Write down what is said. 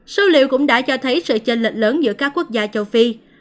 số liệu cũng đã cho thấy sự chênh lệch lớn giữa các quốc gia châu phi